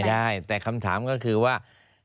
ได้แต่คำถามก็คือว่า